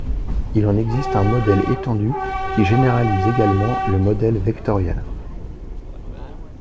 Il en existe un modèle étendu qui généralise également le modèle vectoriel.